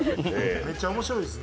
めっちゃ面白いですね。